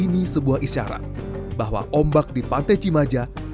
ini sebuah isyarat bahwa ombak di pantai cimaja